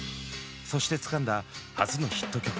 そしてつかんだ初のヒット曲